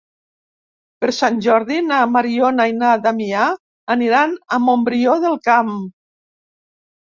Per Sant Jordi na Mariona i na Damià aniran a Montbrió del Camp.